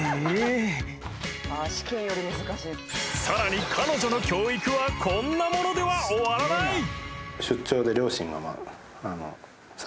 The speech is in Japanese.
［さらに彼女の教育はこんなものでは終わらない］